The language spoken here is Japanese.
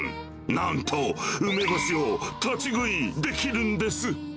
なんと、梅干しを立ち食いできるんです。